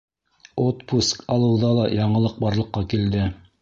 - Отпуск алыуҙа ла яңылыҡ барлыҡҡа килде.